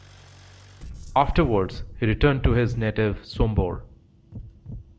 Afterwards he returned to his native Sombor.